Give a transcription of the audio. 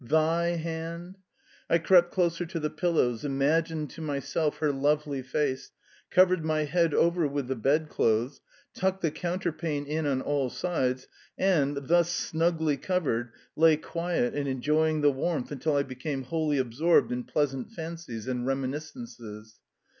'THY hand'!" I crept closer to the pillows, imagined to myself her lovely face, covered my head over with the bedclothes, tucked the counterpane in on all sides, and, thus snugly covered, lay quiet and enjoying the warmth until I became wholly absorbed in pleasant fancies and reminiscences.